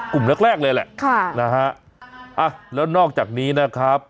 กลุ่มแรกแรกเลยแหละค่ะนะฮะอ่ะแล้วนอกจากนี้นะครับ